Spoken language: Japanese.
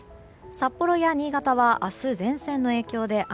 札幌や新潟は明日、前線の影響で雨。